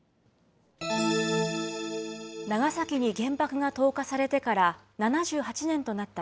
長崎に原爆が投下されてから７８年となった